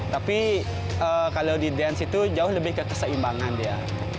tapi kalau di dance itu jauh lebih kekeseimbangan dia